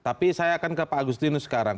tapi saya akan ke pak agustinus sekarang